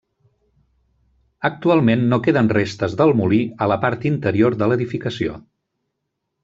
Actualment no queden restes del molí a la part interior de l'edificació.